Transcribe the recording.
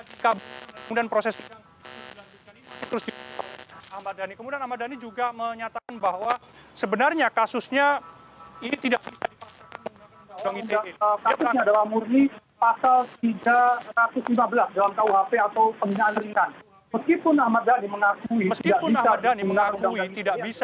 dikabur dan proses kemudian ahmad dhani juga menyatakan bahwa sebenarnya kasusnya ini tidak